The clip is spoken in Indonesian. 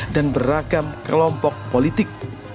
dan beragam kelompok politik